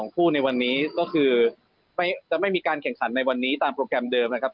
คู่ในวันนี้ก็คือจะไม่มีการแข่งขันในวันนี้ตามโปรแกรมเดิมนะครับ